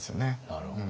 なるほど。